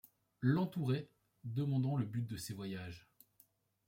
L'entouraient, demandant le but de ses voyages ;